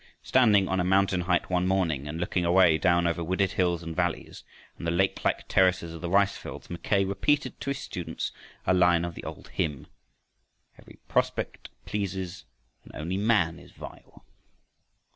Standing on a mountain height one morning and looking away down over wooded hills and valleys and the lake like terraces of the rice fields, Mackay repeated to his students a line of the old hymn: Every prospect pleases and only man is vile.